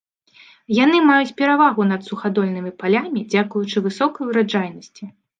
Яны маюць перавагу над сухадольнымі палямі дзякуючы высокай ураджайнасці.